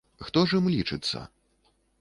Хто ж ім лічыцца?